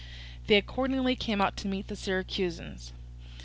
They accordingly came out to meet the Syracusans.